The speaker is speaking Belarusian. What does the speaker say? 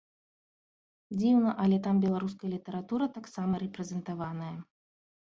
Дзіўна, але там беларуская літаратура таксама рэпрэзентаваная.